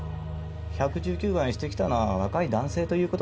１１９番してきたのは若い男性ということですが。